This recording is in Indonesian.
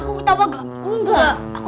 kamu serius gak